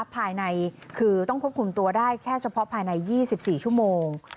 ภายในคือต้องควบคุมตัวได้แค่เฉพาะภายใน๒๔ชั่วโมง